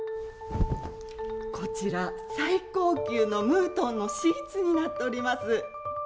こちら、最高級のムートンのシーツになっております。